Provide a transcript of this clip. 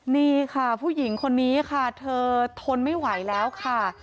นี่ค่ะผู้หญิงคนนี้ค่ะเธอทนไม่ไหวแล้วค่ะ